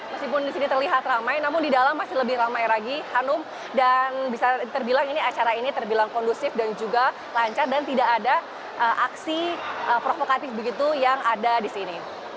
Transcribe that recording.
meskipun di sini terlihat ramai namun di dalam masih lebih ramai lagi hanum dan bisa terbilang ini acara ini terbilang kondusif dan juga lancar dan tidak ada aksi provokatif begitu yang ada di sini